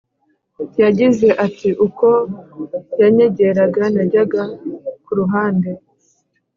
yagize ati “uko yanyegeraga najyaga ku ruhande